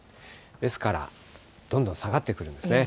ですからどんどん下がってくるんですね。